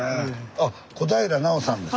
あっ小平奈緒さんです。